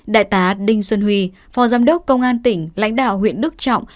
đại tá đinh xuân huy phó giám đốc công an tỉnh lãnh đạo huyện đức trọng